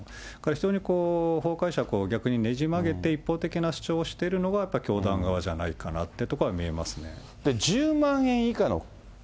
非常に法解釈を逆にねじ曲げて、一方的な主張をしてるのは、やっぱり教団側じゃないのかなというところは見えますね。